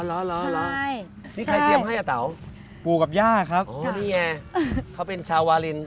อ๋อเหรอใช่นี่ใครเตรียมให้อ่ะเต๋าปูกับย่าครับอ๋อนี่แหงเขาเป็นชาวาริน